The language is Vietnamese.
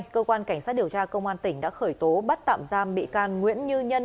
cơ quan cảnh sát điều tra công an tỉnh đã khởi tố bắt tạm giam bị can nguyễn như nhân